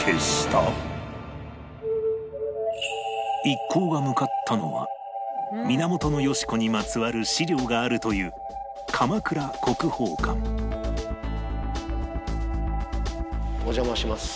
一行が向かったのは源よし子にまつわる資料があるという鎌倉国宝館お邪魔します。